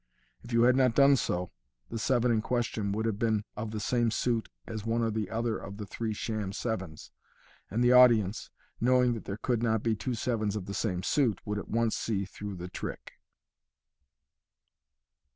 If you had not done so the seven in question would have been of the same suit as one or other of the three sham sevens, and the audience, knowing that there could oot be two sevens of the same suit, would at once see through the trick.)